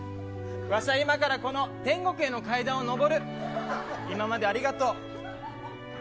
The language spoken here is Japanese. わしは今から天国への階段を上る今までありがとう。